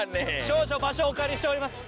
少々場所をお借りしております。